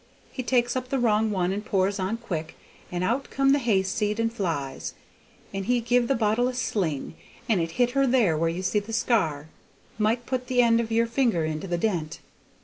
He takes up the wrong one and pours on quick, and out come the hayseed and flies, and he give the bottle a sling, and it hit her there where you see the scar; might put the end of your finger into the dent.